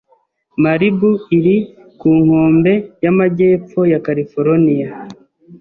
Malibu iri ku nkombe y’amajyepfo ya California.